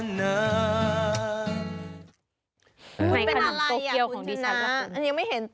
หิวแล้วเนี่ย